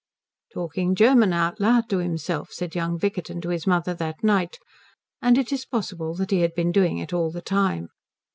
"Talking German out loud to himself," said young Vickerton to his mother that night; and it is possible that he had been doing it all the time.